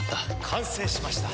完成しました。